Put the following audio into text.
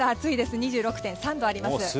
２６．３度あります。